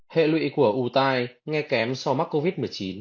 hệ lụy của ủ tai nghe kém so với mắc covid một mươi chín